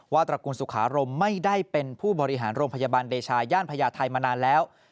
ตระกูลสุขารมไม่ได้เป็นผู้บริหารโรงพยาบาลเดชาย่านพญาไทยมานานแล้ว